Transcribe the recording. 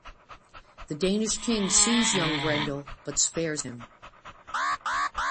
The Danish king sees the young Grendel, but spares him.